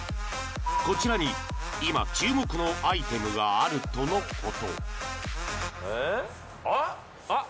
こちらに今注目のアイテムがあるとのことあっ！